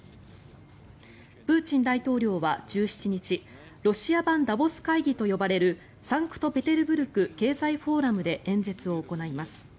プーチン大統領は１７日ロシア版ダボス会議と呼ばれるサンクトペテルブルク経済フォーラムで演説を行います。